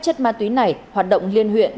khép chất ma túy này hoạt động liên huyện